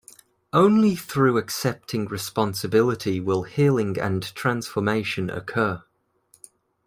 Only through accepting responsibility will healing and transformation occur.